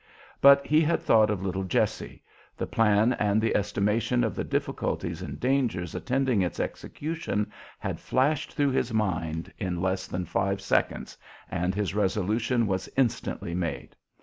But he had thought of little Jessie; the plan and the estimation of the difficulties and dangers attending its execution had flashed through his mind in less than five seconds, and his resolution was instantly made.